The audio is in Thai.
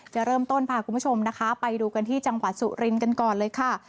จะเริ่มต้นพาคุณผู้ชมนะคะไปดูกันที่จังหวัดสุรินทร์กันก่อนเลยค่ะ